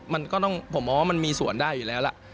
ผมมองว่ามันมีส่วนได้อยู่แล้วล่ะ